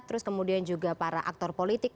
terus kemudian juga para aktor politik